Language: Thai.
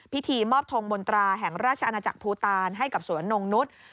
พิธีมอบทงมนตราแห่งราชอาณาจักรภูตานให้กับสวนนงนุษย์